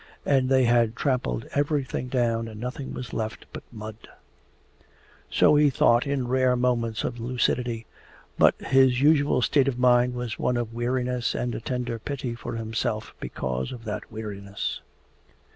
And they had trampled everything down and nothing was left but mud. So he thought in rare moments of lucidity, but his usual state of mind was one of weariness and a tender pity for himself because of that weariness.